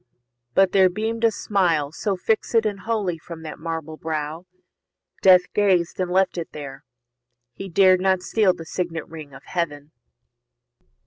But there beam'd a smile So fix'd and holy from that marble brow, Death gazed and left it there; he dared not steal The signet ring of Heaven.